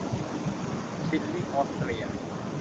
ชิลลิงออสเตรีย